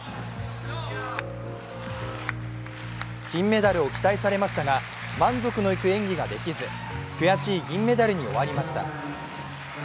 金メダルを期待されましたが満足のいく演技ができず、悔しい銀メダルに終わりました。